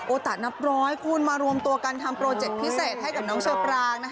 ตะนับร้อยคุณมารวมตัวกันทำโปรเจคพิเศษให้กับน้องเชอปราง